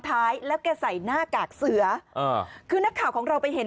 ท้ายแล้วแกใส่หน้ากากเสืออ่าคือนักข่าวของเราไปเห็น